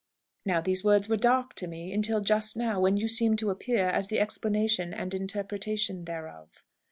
Now these words were dark to me until just now, when you seemed to appear as the explanation and interpretation thereof."